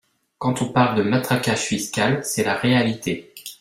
Quand on parle de matraquage fiscal, c’est la réalité.